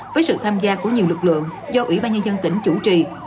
với sự tham gia của nhiều lực lượng do ủy ban nhân dân tỉnh chủ trì